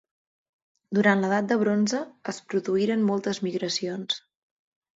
Durant l'edat de bronze es produïren moltes migracions.